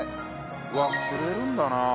うわっ釣れるんだな。